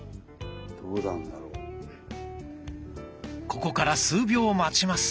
ここから数秒待ちます。